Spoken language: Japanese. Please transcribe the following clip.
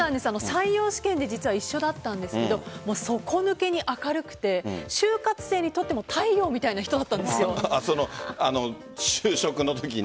採用試験で実は一緒だったんですけど底抜けに明るくて就活生にとっても就職のときに？